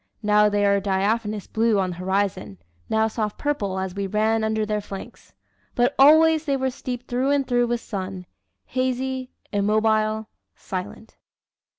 Now they were diaphanous blue on the horizon, now soft purple as we ran under their flanks. But always they were steeped through and through with sun hazy, immobile, silent."